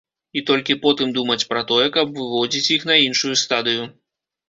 І толькі потым думаць пра тое, каб выводзіць іх на іншую стадыю.